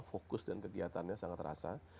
fokus dan kegiatannya sangat terasa